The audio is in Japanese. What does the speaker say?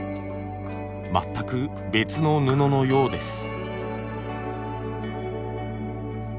全く別の布のようです。